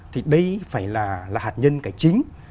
thì đây phải là hạt nhân cái chính